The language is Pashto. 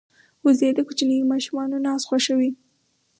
وزې د کوچنیو ماشومانو ناز خوښوي